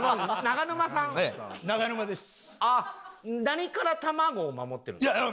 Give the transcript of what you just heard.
何から卵を守ってるんですか？